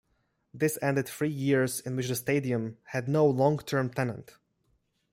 This ended three years in which the stadium had no long-term tenant.